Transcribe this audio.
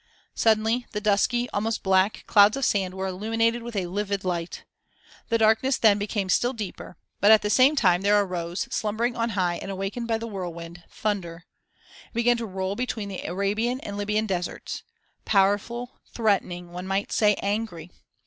Suddenly, the dusky, almost black, clouds of sand were illumined with a livid light. The darkness then became still deeper, but at the same time there arose, slumbering on high and awakened by the whirlwind, thunder; it began to roll between the Arabian and Libyan deserts, powerful, threatening, one might say, angry.